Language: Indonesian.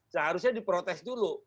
seharusnya diprotes dulu